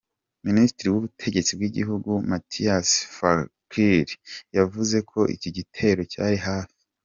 Ministri w'ubutegetsi bw'igihugu, Matthias Fekl yavuze ko igitero cyari hafi.